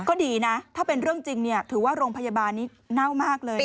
ก็ดีนะถ้าเป็นเรื่องจริงถือว่าโรงพยาบาลนี้เน่ามากเลย